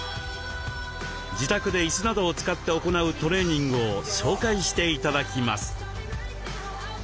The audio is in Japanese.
自宅でいすなどを使って行うトレーニングを紹介して頂きます。